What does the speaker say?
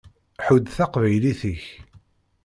Ḥudd taqbaylit-ik.